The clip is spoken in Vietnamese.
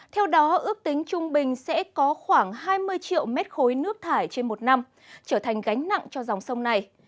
theo đó ước tính trung bình sẽ có khoảng hai mươi triệu mét khối nước thải trên một năm trở thành gánh nặng cho dòng sông này